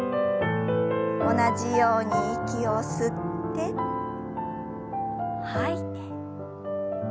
同じように息を吸って吐いて。